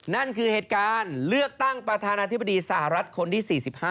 นั่นคือเหตุการณ์เลือกตั้งประธานาธิบดีสหรัฐคนที่๔๕